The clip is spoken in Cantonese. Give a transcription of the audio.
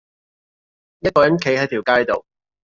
一個人企喺條街度